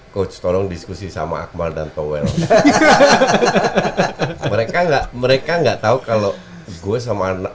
coach tolong diskusi sama akmal dan tower mereka enggak mereka enggak tahu kalau gue sama anak